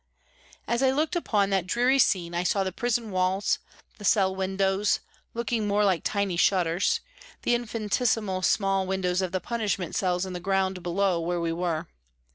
As I looked upon that dreary scene I saw the prison walls, the cell windows, looking more like tiny shutters, the infinitesimal small windows of the punishment cells in the ground below where we were.